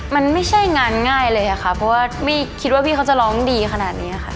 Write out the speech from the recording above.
มันไม่ใช่งานง่ายเลยค่ะเพราะว่าไม่คิดว่าพี่เขาจะร้องดีขนาดนี้ค่ะ